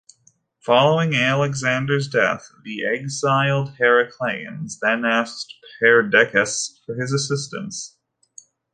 Following Alexander's death, the exiled Heracleans then asked Perdiccas for his assistance.